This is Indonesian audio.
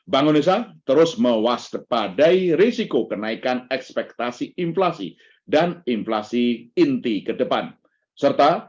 bank indonesia terus mewaspadai risiko kenaikan ekspektasi inflasi dan inflasi inti ke depan serta